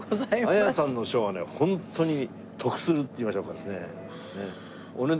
亜矢さんのショーはねホントに得するっていいましょうか。